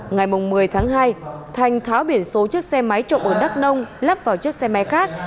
ngày một mươi tháng hai thành tháo biển số chiếc xe máy trộm ở đắk nông lắp vào chiếc xe máy khác